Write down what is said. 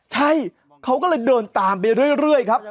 ใช่เค้าก็เลยเดินตามไปเรื่อย